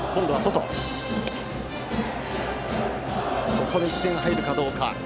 ここで１点入るかどうか。